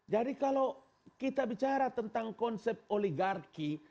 jadi kalau kita bicara tentang konsep oligarki